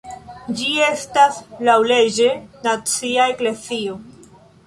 Ĝi estas laŭleĝe nacia eklezio.